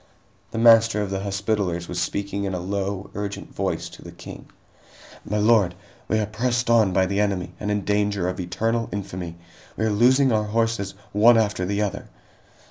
The Master of the Hospitallers was speaking in a low, urgent voice to the King: "My lord, we are pressed on by the enemy and in danger of eternal infamy. We are losing our horses, one after the other!"